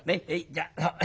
じゃあ。